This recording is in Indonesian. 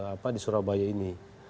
apa di surabaya ini